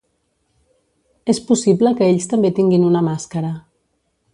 És possible que ells també tinguin una màscara.